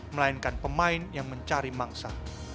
melainkan pemain yang mencari mangsa